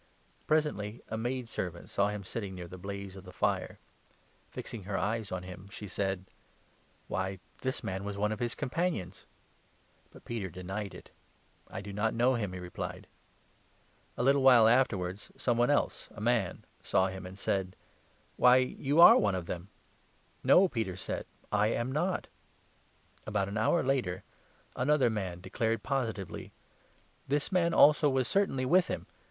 Presently a maidservant 56 peter disowns saw n'm sitting near the blaze of the fire. Fixing jesus. her eyes on him, she said :" Why, this man was one of his companions !" But Peter denied it. 57 " I do not know him," he replied. A little while afterwards some one else — a man — saw him and 58 said :" Why, you are one of them !"" No," Peter said, " I am not." About an hour later another man declared positively : 59 " This man also was certainly with him.